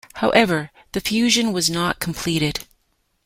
However, the fusion was not completed.